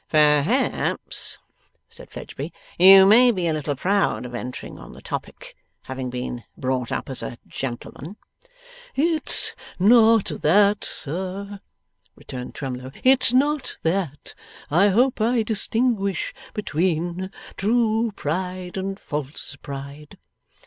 'Perhaps,' said Fledgeby, 'you may be a little proud of entering on the topic, having been brought up as a gentleman.' 'It's not that, sir,' returned Twemlow, 'it's not that. I hope I distinguish between true pride and false pride.